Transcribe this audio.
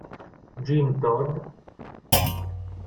Jim Todd